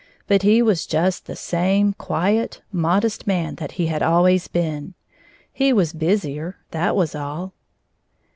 But he was just the same quiet, modest man that he had always been. He was busier, that was all.